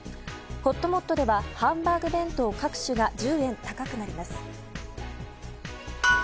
ほっともっとではハンバーグ弁当各種が１０円、高くなります。